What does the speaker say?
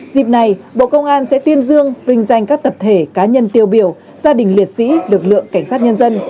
dịp này bộ công an sẽ tuyên dương vinh danh các tập thể cá nhân tiêu biểu gia đình liệt sĩ lực lượng cảnh sát nhân dân